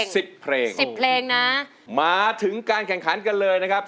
สิบเพลงสิบเพลงนะมาถึงการแข่งขันกันเลยนะครับ